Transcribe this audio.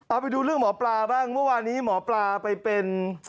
เอาไปดูเรื่องหมอปลาบ้างเมื่อวานนี้หมอปลาไปเป็น